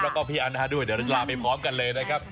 แล้วก็พี่อันน่าด้วยเดี๋ยวลาไปพร้อมกันเลยนะครับ